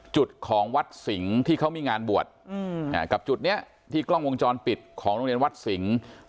จุดของวัดสิงห์ที่เขามีงานบวชกับจุดนี้ที่กล้องวงจรปิดของโรงเรียนวัดสิงศ์